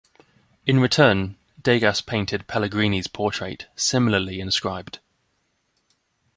In return, Degas painted Pellegrini's portrait, similarly inscribed.